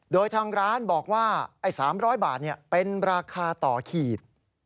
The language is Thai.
โดยทางร้านบอกว่า๓๐๐บาทเป็นราคาต่อขีด